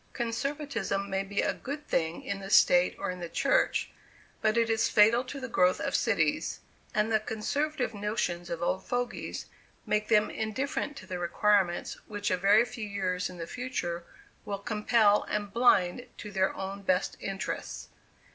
Conservatism may be a good thing in the state, or in the church, but it is fatal to the growth of cities; and the conservative notions of old fogies make them indifferent to the requirements which a very few years in the future will compel, and blind to their own best interests.